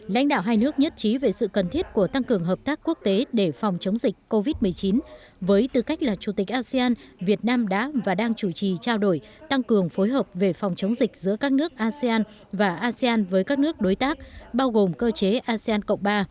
lãnh đạo hai nước nhất trí về sự cần thiết của tăng cường hợp tác quốc tế để phòng chống dịch covid một mươi chín với tư cách là chủ tịch asean việt nam đã và đang chủ trì trao đổi tăng cường phối hợp về phòng chống dịch giữa các nước asean và asean với các nước đối tác bao gồm cơ chế asean cộng ba